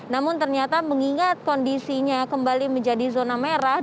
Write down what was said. namun ternyata mengingat kondisinya kembali menjadi zona merah